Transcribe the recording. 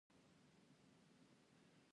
افغانستان کې بدخشان د خلکو د خوښې وړ ځای دی.